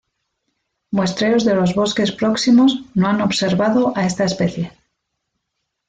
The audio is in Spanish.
Muestreos de los bosques próximos no han observado a esta especie.